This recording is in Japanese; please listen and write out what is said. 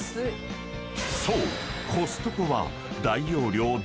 ［そう］